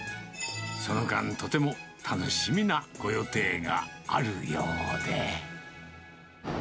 その間、とても楽しみなご予定があるようで。